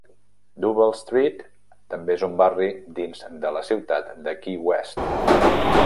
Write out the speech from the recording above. Duval Street també és un barri dins de la ciutat de Key West.